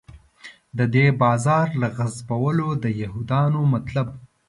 د دې بازار له غصبولو د یهودانو مطلب.